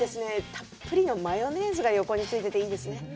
たっぷりのマヨネーズが横についていて、いいですね。